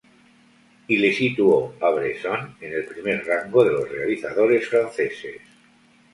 Y le situó a Bresson en el primer rango de los realizadores franceses.